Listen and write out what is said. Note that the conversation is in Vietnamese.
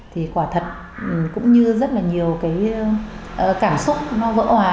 thì quả thật cũng như rất là nhiều cái cảm xúc nó vỡ hòa